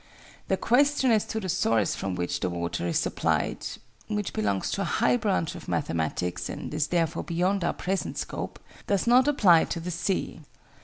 The question as to the source from which the water is supplied which belongs to a high branch of mathematics, and is therefore beyond our present scope does not apply to the sea.